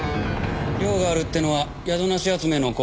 寮があるってのは宿無し集めの口実だ。